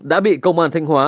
đã bị công an thanh hóa